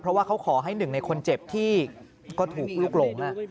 เพราะว่าเขาขอให้หนึ่งในคนเจ็บที่ก็ถูกลูกหลง